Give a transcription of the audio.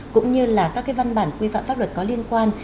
cũng như là các văn bản quy phạm pháp luật có liên quan